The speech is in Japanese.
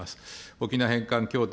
沖縄返還協定